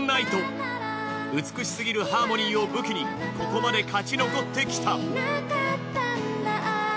美しすぎるハーモニーを武器にここまで勝ち残ってきた。